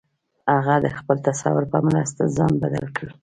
هغه د خپل تصور په مرسته ځان بدل کړ